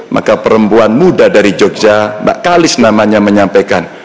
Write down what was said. maka perempuan muda dari jogja mbak kalis namanya menyampaikan